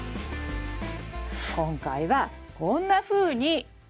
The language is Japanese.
今回はこんなふうに。